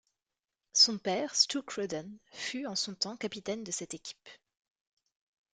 Son père Stu Cruden fut, en son temps, capitaine de cette équipe.